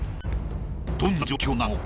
どんな状況なのか？